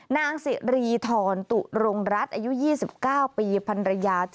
นางสิริธรตุรงรัฐอายุ๒๙ปีพันรยา